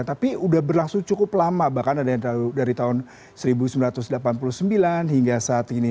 tapi sudah berlangsung cukup lama bahkan ada yang dari tahun seribu sembilan ratus delapan puluh sembilan hingga saat ini